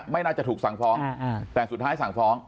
ไม่น่าจะถูกสั่งฟ้องแต่สุดท้ายสั่งฟ้อง